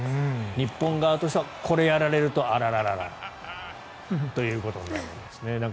日本側としてはこれをやられるとあららららとなるんですね。